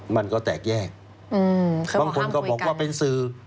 มันก็แตกแยกอืมเขาบอกห้ามคุยกันบางคนก็บอกว่าเป็นสื่อ